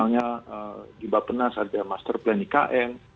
misalnya di bapenas ada master plan ikn